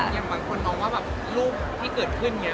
อย่างบางคนน้องว่าแบบรูปที่เกิดขึ้นเนี่ย